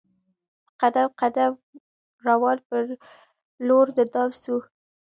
په قدم قدم روان پر لور د دام سو